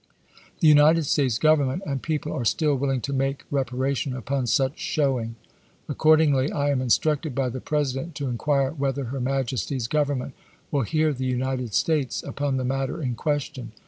The United States Government and people are still willing to make reparation upon such showing. Accordingly I am instructed by the President to in quire whether her Majesty's Government will hear the United States upon the matter in question.